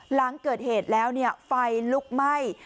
หลังเกิดเหตุแล้วไฟลุกไหม้